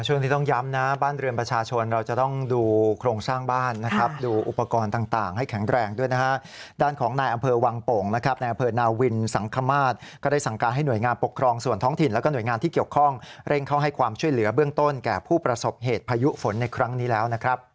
ช่วงนี้ต้องย้ำนะบ้านเรือนประชาชนเราจะต้องดูโครงสร้างบ้านนะครับดูอุปกรณ์ต่างให้แข็งแรงด้วยนะฮะด้านของนายอำเภอวังโป่งนะครับในอำเภอนาวินสังขมาตรก็ได้สั่งการให้หน่วยงานปกครองส่วนท้องถิ่นแล้วก็หน่วยงานที่เกี่ยวข้องเร่งเข้าให้ความช่วยเหลือเบื้องต้นแก่ผู้ประสบเหตุพายุฝนในครั้งนี้แล้วนะครับ